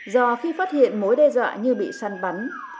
do khi phát hiện mối đe dọa như bị săn bắn